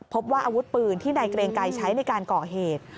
พบว่าอาวุธปืนที่นายเกรงไกรใช้ในการก่อเหตุ